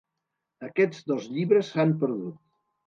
Aquests dos llibres s'han perdut.